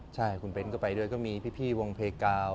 ใช่คุณเบ้นก็ไปด้วยก็มีพี่วงเพกาว